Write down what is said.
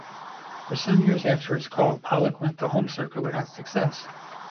For some years after his call Pollock went the home circuit without success.